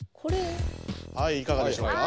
はいいかがでしょうか？